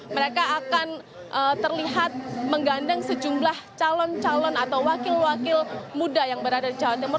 mereka akan terlihat menggandeng sejumlah calon calon atau wakil wakil muda yang berada di jawa timur